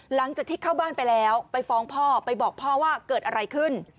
หลังจากที่เข้าบ้านไปแล้วไปฟ้องพ่อไปบอกพ่อว่าเกิดอะไรขึ้น